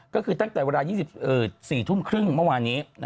ก็คือตั้งแต่เวลา๒๔ทุ่มครึ่งเมื่อวานนี้